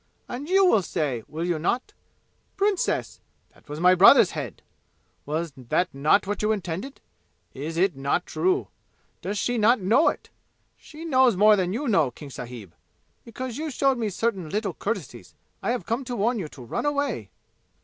And you will say, will you not, 'Princess, that was my brother's head!'? Was that not what you intended? Is it not true? Does she not know it? She knows more than you know, King sahib! Because you showed me certain little courtesies, I have come to warn you to run away!"